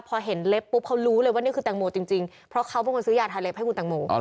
พอเห็นเล็บปุ๊บเขารู้เลยว่านี่คือแตงโมจริงเพราะเขาเป็นคนซื้อยาทาเล็บให้คุณแตงโม